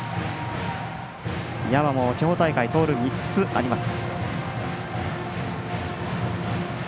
山も地方大会、盗塁３つあります。